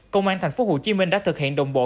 công an tp hcm đã thực hiện đồng bộ